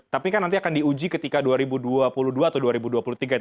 tapi kan nanti akan diuji ketika dua ribu dua puluh dua atau dua ribu dua puluh tiga itu